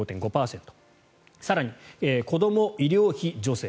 更に子ども医療費助成